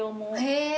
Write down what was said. へえ。